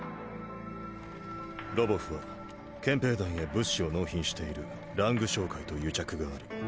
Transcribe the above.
ロヴォフは憲兵団へ物資を納品しているラング商会と癒着がある。